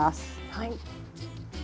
はい。